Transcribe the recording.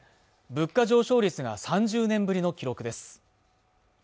物価上昇率が３０年ぶりの記録です